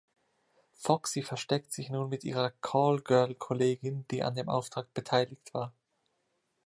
Foxy versteckt sich nun mit ihrer Callgirl-Kollegin, die an dem Auftrag beteiligt war.